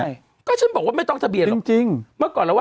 ใช่ก็ฉันบอกว่าไม่ต้องทะเบียนหรอกจริงเมื่อก่อนเราว่า